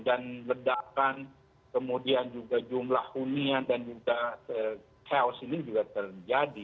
dan ledakan kemudian juga jumlah hunian dan juga chaos ini juga terjadi